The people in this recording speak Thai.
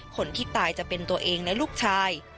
คนที่ตายจะเป็นตัวเองและลูกชาย